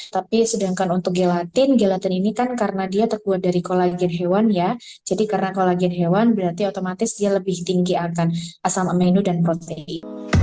tapi sedangkan untuk gelatin gelatin ini kan karena dia terbuat dari kolagen hewan ya jadi karena kolagen hewan berarti otomatis dia lebih tinggi akan asam menu dan protein